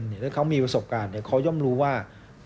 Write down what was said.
หรือถ้าเขามีประสบการณ์เขาย่อมรู้ว่า